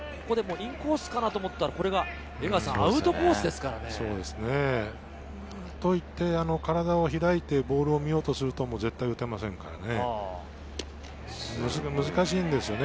インコースかな？と思ったらアウトコースですよ。といって、体を開いてボールを見ようとすると絶対打てませんからね。